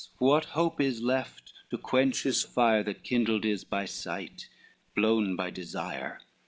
what hope is left, to quench his fire That kindled is by sight, blown by desire.